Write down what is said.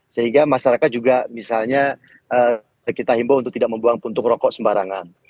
sehingga masyarakat juga misalnya kita himbau untuk tidak membuang puntung rokok sembarangan